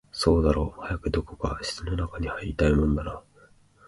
そうだろう、早くどこか室の中に入りたいもんだな